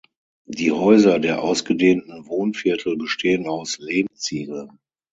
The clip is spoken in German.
Die Häuser der ausgedehnten Wohnviertel bestehen aus Lehmziegeln.